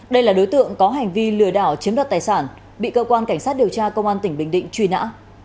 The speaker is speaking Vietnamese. đây là đối tượng có hành vi lừa đảo chiếm đoạt tài sản bị cơ quan cảnh sát điều tra công an tỉnh bình định truy nã